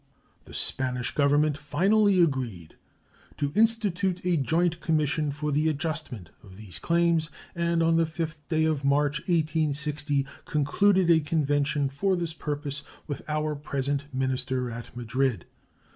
The Spanish Government finally agreed to institute a joint commission for the adjustment of these claims, and on the 5th day of March, 1860, concluded a convention for this purpose with our present minister at Madrid.